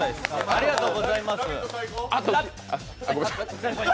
ありがとうございます。